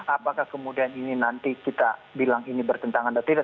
apakah kemudian ini nanti kita bilang ini bertentangan atau tidak